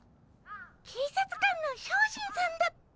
警察官の小心さんだっ。